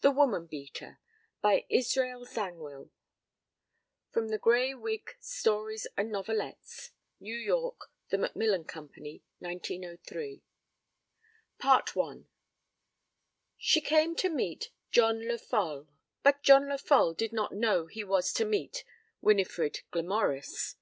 THE WOMAN BEATER By Israel Zangwill (The Grey Wig/Stories and Novelettes, New York: The Macmillan Company, 1903) I She came 'to meet John Lefolle', but John Lefolle did not know he was to meet Winifred Glamorys.